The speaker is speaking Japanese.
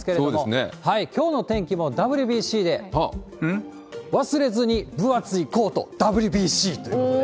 きょうの天気もＷＢＣで、忘れずに、分厚いコート、ＷＢＣということで。